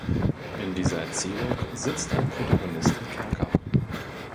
In dieser Erzählung sitzt ein Protagonist im Kerker.